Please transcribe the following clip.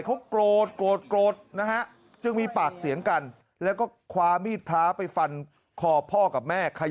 เขาโกรธโกรธนะฮะจึงมีปากเสียงกันแล้วก็คว้ามีดพระไปฟันคอพ่อกับแม่